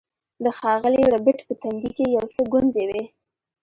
د ښاغلي ربیټ په تندي کې یو څه ګونځې وې